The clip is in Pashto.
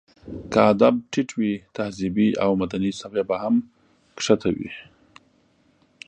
که ادب ټيت وي، تهذيبي او مدني سويه به هم ښکته وي.